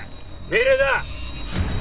命令だ！